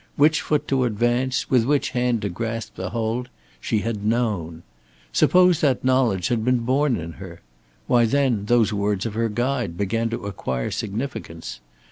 Which foot to advance, with which hand to grasp the hold she had known. Suppose that knowledge had been born in her! Why, then those words of her guide began to acquire significance.